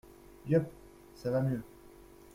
Yupp !… ça va mieux !…